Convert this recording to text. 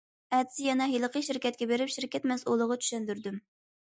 ئەتىسى يەنە ھېلىقى شىركەتكە بېرىپ، شىركەت مەسئۇلىغا چۈشەندۈردۈم.